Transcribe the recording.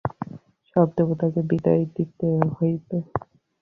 সব দেবতাকে বিদায় দিতে হইবে।